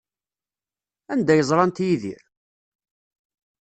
Anda ay ẓrant Yidir?